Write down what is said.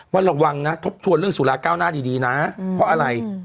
ว่าระวังนะทบทวนเรื่องสุราเก้าหน้าดีนะเพราะอะไร